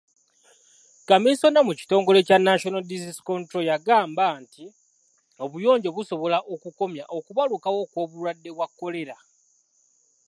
Kamiisona mu kitongole kya National Disease Control yagamba nti obuyonjo busobola okukomya okubalukawo kw'obulwadde bwa kolera.